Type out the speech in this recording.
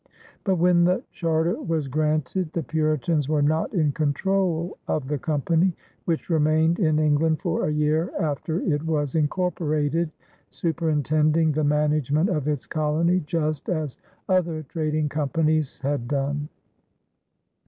But, when the charter was granted, the Puritans were not in control of the company, which remained in England for a year after it was incorporated, superintending the management of its colony just as other trading companies had done.